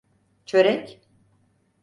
Çörek…